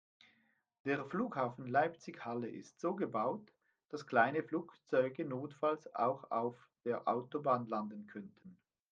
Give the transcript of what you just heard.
Der Flughafen Leipzig/Halle ist so gebaut, dass kleine Flugzeuge notfalls auch auf der Autobahn landen könnten.